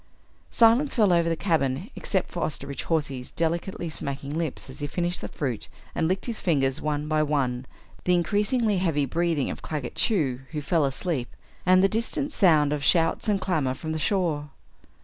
Silence fell over the cabin except for Osterbridge Hawsey's delicately smacking lips as he finished the fruit and licked his fingers one by one, the increasingly heavy breathing of Claggett Chew, who fell asleep, and the distant sound of shouts and clamor from the shore.